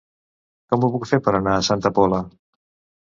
Com ho puc fer per anar a Santa Pola?